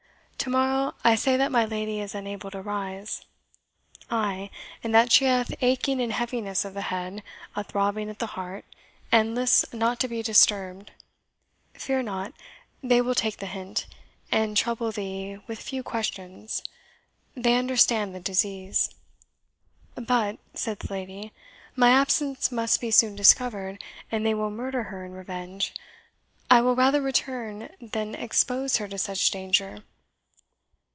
"Tomorrow, I say that my lady is unable to rise." "Ay; and that she hath aching and heaviness of the head a throbbing at the heart, and lists not to be disturbed. Fear not; they will take the hint, and trouble thee with few questions they understand the disease." "But," said the lady, "My absence must be soon discovered, and they will murder her in revenge. I will rather return than expose her to such danger."